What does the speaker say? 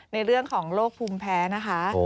ในเรื่องของโรคภูมิแพ้นะคะ